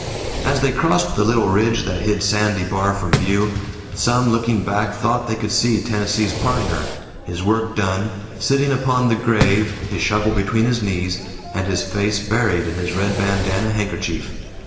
As they crossed the little ridge that hid Sandy Bar from view, some, looking back, thought they could see Tennessee's Partner, his work done, sitting upon the grave, his shovel between his knees, and his face buried in his red bandanna handkerchief.